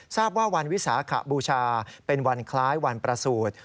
ทราบว่าวันวิสาขบูชาเป็นวันคล้ายวันประสูจน์